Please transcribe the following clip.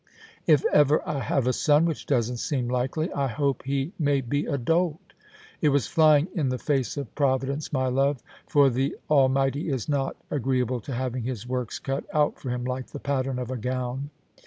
If ever I have a son, which doesn't seem likely, I hope he may be a dolt" It was flying in the face of Providence, my love, for the Almighty is not agree able to having His works cut out for Him like the pattern of a gown.